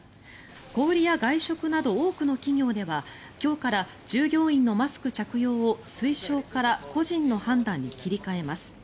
小売りや外食など多くの企業では今日から従業員のマスク着用を推奨から個人の判断に切り替えます。